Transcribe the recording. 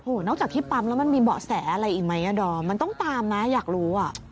นอกจากที่ปั๊มแล้วมันมีเบาะแสอะไรอีกไหมอ่ะดอมมันต้องตามนะอยากรู้อ่ะ